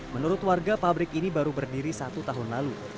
menurut warga pabrik ini baru berdiri satu tahun lalu